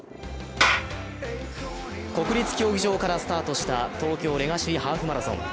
国立競技場からスタートした東京レガシーハーフマラソン。